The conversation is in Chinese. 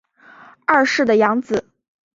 二世的养子。